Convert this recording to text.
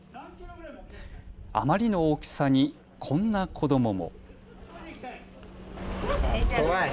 あまりの大きさにこんな子どもも。